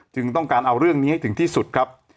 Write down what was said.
ต้องการเอาเรื่องนี้ให้ถึงที่สุดครับ